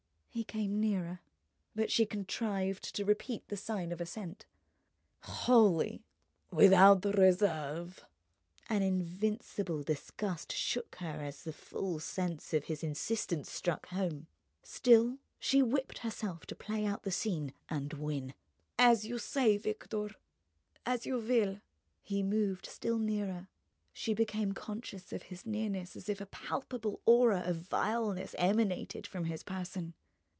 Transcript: He came nearer, but she contrived to repeat the sign of assent. "Wholly, without reserve?" An invincible disgust shook her as the full sense of his insistence struck home. Still she whipped herself to play out the scene—and win! "As you say, Victor, as you will...." He moved still nearer. She became conscious of his nearness as if a palpable aura of vileness emanated from his person.